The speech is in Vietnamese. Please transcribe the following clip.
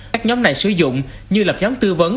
các nhóm này sử dụng như lập nhóm tư vấn